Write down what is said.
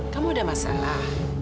kamu udah masalah